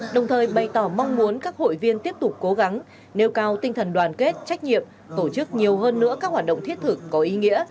đồng thời bày tỏ mong muốn các hội viên tiếp tục cố gắng nêu cao tinh thần đoàn kết trách nhiệm tổ chức nhiều hơn nữa các hoạt động thiết thực có ý nghĩa